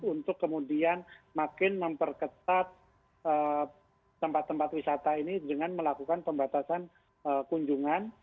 untuk kemudian makin memperketat tempat tempat wisata ini dengan melakukan pembatasan kunjungan